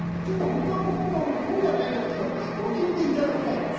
ちょっと本当の事をこうじゃないかっていうのを教えていただきたい。